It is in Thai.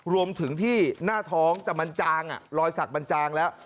รวมถึงที่หน้าท้องแต่มันจางรอยสักมันจางแล้ว